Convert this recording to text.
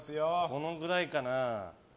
このくらいかな。